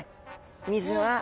水は。